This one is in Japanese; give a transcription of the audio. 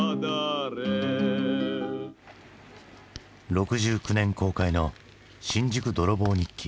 ６９年公開の「新宿泥棒日記」。